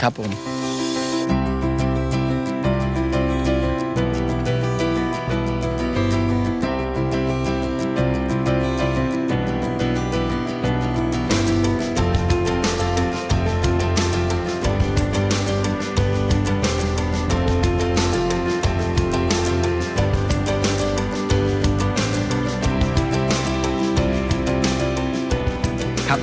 ทีนี้ได้เชิญเชิญคำสาธารณีมากด้วยทุกคนเลยนะครับ